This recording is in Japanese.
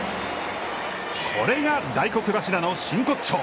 これが大黒柱の真骨頂。